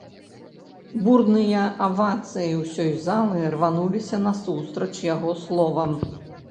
Бурная авацыя ўсёй залы рванулася насустрач яго словам.